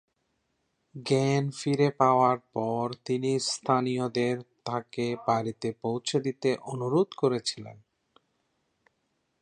জ্ঞান ফিরে পাওয়ার পর তিনি স্থানীয়দের তাকে বাড়িতে পৌঁছে দিতে অনুরোধ করেছিলেন।